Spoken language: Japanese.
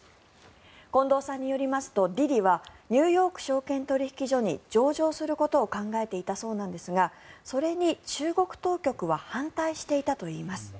近藤さんによりますとＤｉＤｉはニューヨーク証券取引所に上場することを考えていたそうなんですがそれに中国当局は反対していたといいます。